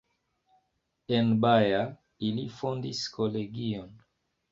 En Baja ili fondis kolegion.